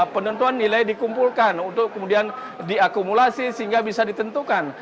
penentuan nilai dikumpulkan untuk kemudian diakumulasi sehingga bisa ditentukan